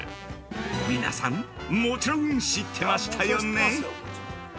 皆さん、もちろん知ってましたよね。